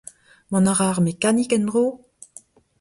Mont a ra ar mekanik en-dro ?